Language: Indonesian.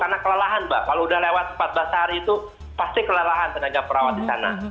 karena kelelahan mbak kalau udah lewat empat belas hari itu pasti kelelahan tenaga perawat di sana